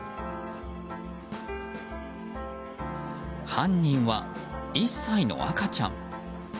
犯人は１歳の赤ちゃん。